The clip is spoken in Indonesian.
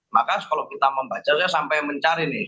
maka kalau kita membaca saya sampai mencari nih